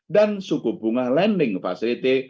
dan suku bunga lending facility